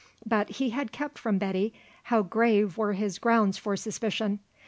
But he had kept from Betty how grave were his grounds for suspicion.